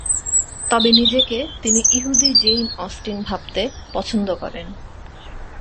তবে নিজেকে তিনি ইহুদি জেইন অস্টিন ভাবতে পছন্দ করেন।